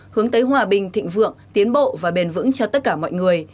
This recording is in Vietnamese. hướng tới hòa bình thịnh vượng tiến bộ và bền vững cho tất cả mọi người